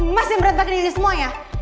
mas yang merentakin ini semua ya